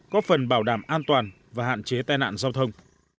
có phần bảo đảm an toàn và hạn chế tai nạn giao thông